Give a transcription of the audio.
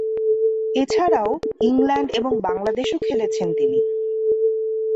এছাড়াও, ইংল্যান্ড এবং বাংলাদেশেও খেলেছেন তিনি।